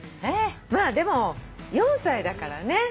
まあでも４歳だからね。